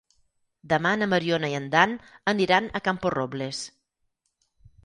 Demà na Mariona i en Dan aniran a Camporrobles.